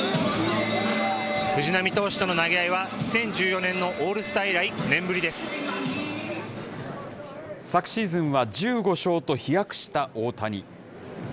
藤浪投手との投げ合いは、２０１４年のオールスター以来、昨シーズンは１５勝と、飛躍した大谷。